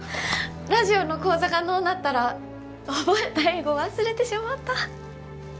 ラジオの講座がのうなったら覚えた英語忘れてしもうた。